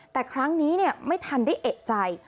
แต่ครั้งนี้ไม่ทันได้เอกใจ